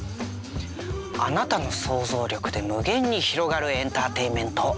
あなたの想像力で無限に広がるエンターテインメント。